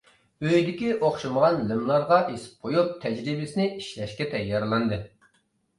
ئۆيدىكى ئوخشىمىغان لىملارغا ئېسىپ قويۇپ، تەجرىبىسىنى ئىشلەشكە تەييارلاندى.